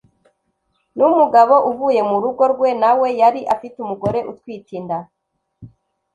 n' umugabo uvuye mu rugo rwe, na we yari afite umugore utwite inda